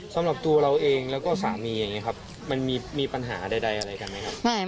สำหรับตัวเราเองแล้วก็สามีอย่างนี้ครับมันมีปัญหาใดอะไรกันไหมครับ